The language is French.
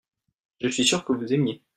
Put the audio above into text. je suis sûr que vous aimiez.